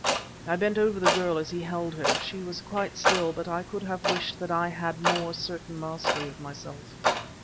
I bent over the girl as he held her. She was quite still, but I could have wished that I had had more certain mastery of myself.